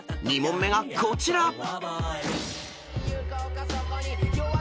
２問目がこちら］